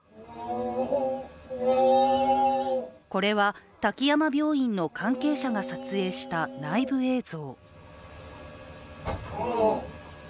これは、滝山病院の関係者が撮影した内部映像。